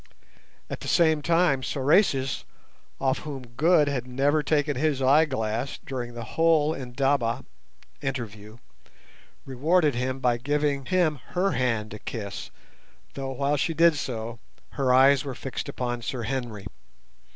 At the same time Sorais, off whom Good had never taken his eyeglass during the whole indaba [interview], rewarded him by giving him her hand to kiss, though, while she did so, her eyes were fixed upon Sir Henry.